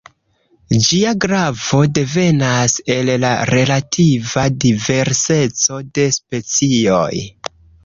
Ĝia gravo devenas el la relativa diverseco de specioj.